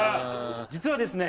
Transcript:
実はですね